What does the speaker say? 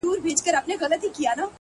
o په داسي خوب ویده دی چي راویښ به نه سي،